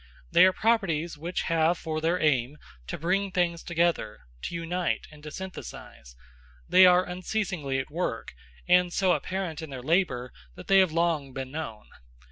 They are properties which have for their aim to bring things together, to unite, and to synthetise. They are unceasingly at work, and so apparent in their labour that they have long been known.